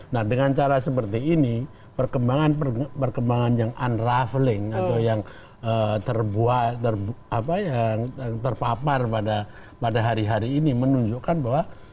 nah dengan cara seperti ini perkembangan perkembangan yang unraveling atau yang terpapar pada hari hari ini menunjukkan bahwa